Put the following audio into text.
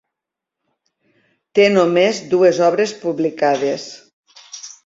Té només dues obres publicades.